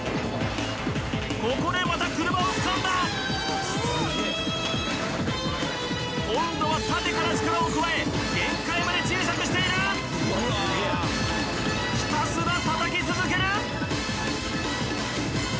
ここでまた車をつかんだ今度は縦から力を加え限界まで小さくしているひたすらたたき続ける！